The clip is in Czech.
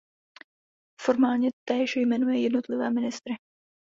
Formálně též jmenuje jednotlivé ministry.